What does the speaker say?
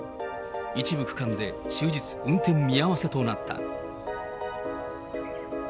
一部区間で終日、運転見合わせとなった。